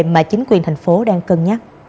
mà chính quyền tp hcm sẽ đáp ứng